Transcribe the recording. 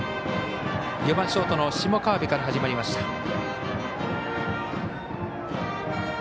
４番ショートの下川邊から始まりました。